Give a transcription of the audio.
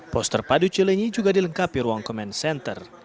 poster padu cilenyi juga dilengkapi ruang command center